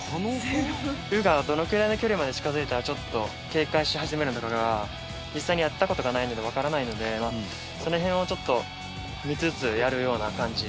鵜がどのくらいの距離まで近づいたらちょっと警戒し始めるのかが実際にやった事がないのでわからないのでその辺をちょっと見つつやるような感じになると思います。